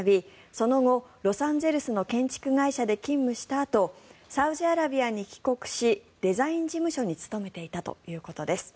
その後、ロサンゼルスの建築会社で勤務したあとサウジアラビアに帰国しデザイン事務所に勤めていたということです。